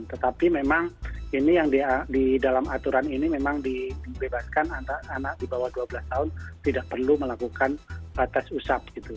tetapi memang ini yang di dalam aturan ini memang dibebaskan anak di bawah dua belas tahun tidak perlu melakukan tes usap gitu